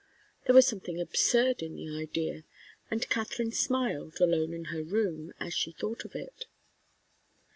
There was something absurd in the idea, and Katharine smiled, alone in her room, as she thought of it.